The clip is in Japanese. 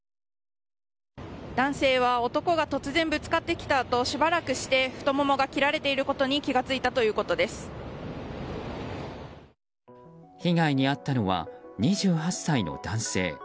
男性は男が突然ぶつかってきたあとしばらくして太ももが切られていることに被害に遭ったのは２８歳の男性。